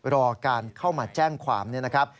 รอการเข้ามาแจ้งความนี่นะครับ